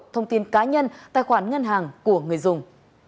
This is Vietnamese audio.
thông tin cá nhân tài khoản ngân hàng của người dùng